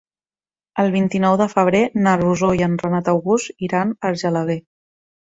El vint-i-nou de febrer na Rosó i en Renat August iran a Argelaguer.